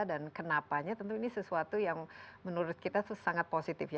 dan kenapanya tentu ini sesuatu yang menurut kita sangat positif ya